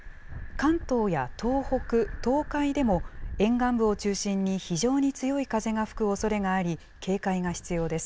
関東や東北、東海でも、沿岸部を中心に、非常に強い風が吹くおそれがあり、警戒が必要です。